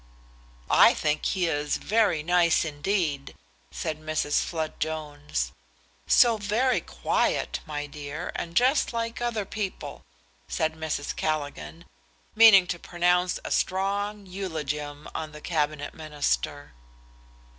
"I think he is very nice indeed," said Mrs. Flood Jones. "So very quiet, my dear, and just like other people," said Mrs. Callaghan, meaning to pronounce a strong eulogium on the Cabinet Minister.